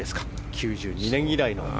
９２年以来の。